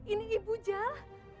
ini ibu jal